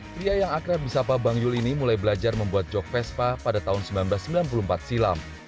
pria yang akrab di sapa bang yul ini mulai belajar membuat jog vespa pada tahun seribu sembilan ratus sembilan puluh empat silam